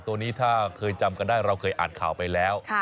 ตัวนี้ถ้าเคยจำกันได้เราเคยอ่านข่าวไปแล้ว